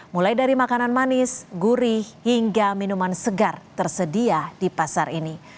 mulai dari makanan manis gurih hingga minuman segar tersedia di pasar ini